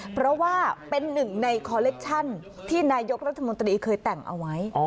เพราะว่าเป็นหนึ่งในคอเล็กชั่นที่นายกรัฐมนตรีเคยแต่งเอาไว้